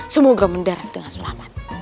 semoga mendarat tengah sulaman